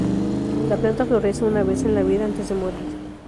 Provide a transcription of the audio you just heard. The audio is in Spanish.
La planta florece una vez en la vida antes de morir.